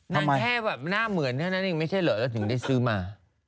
มันแค่แบบหน้าเหมือนเท่านั้นเองไม่ใช่เหรอเราถึงได้ซื้อมา